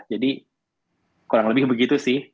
jadi kurang lebih begitu sih